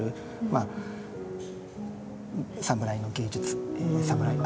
まあサムライの芸術サムライ